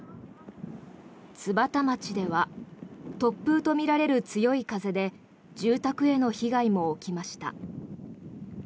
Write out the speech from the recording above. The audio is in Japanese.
津幡町では突風とみられる強い風で住宅への被害も起きました。